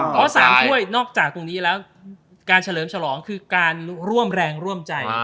เพราะ๓ถ้วยนอกจากตรงนี้แล้วการเฉลิมฉลองคือการร่วมแรงร่วมใจ